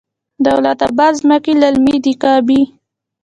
دولت اباد ځمکې للمي دي که ابي؟